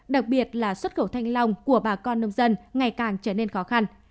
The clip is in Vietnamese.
đặc biệt là xuất khẩu thanh long của bà con nông dân ngày càng trở nên khó khăn